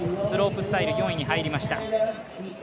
スロープスタイル４位に入りました。